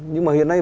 nhưng mà hiện nay